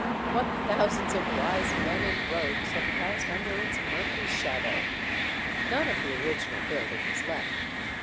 What thousands of wise men and rogues have passed under its murky shadow! None of the original building is left.